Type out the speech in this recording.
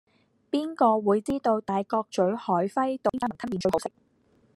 邊個會知道大角咀海輝道邊間雲吞麵最好食